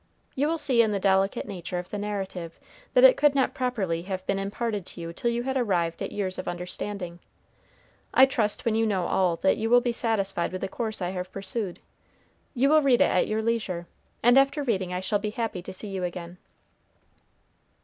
You will see in the delicate nature of the narrative that it could not properly have been imparted to you till you had arrived at years of understanding. I trust when you know all that you will be satisfied with the course I have pursued. You will read it at your leisure, and after reading I shall be happy to see you again."